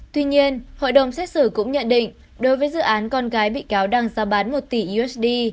tuy nhiên hội đồng xét xử cũng nhận định đối với dự án con gái bị cáo đang ra bán một tỷ usd